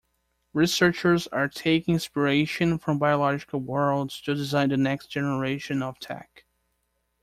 Researchers are taking inspiration from biological worlds to design the next generation of tech.